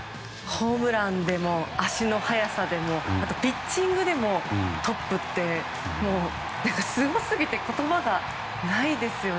ホームランでも足の速さでもピッチングでもトップってすごすぎて言葉がないですよね。